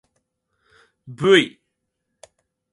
ｖ